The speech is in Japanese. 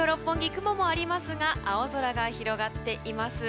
雲もありますが青空が広がっています。